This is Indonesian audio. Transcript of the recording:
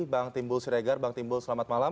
bang timbul siregar bang timbul selamat malam